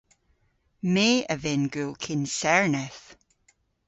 My a vynn gul kynserneth.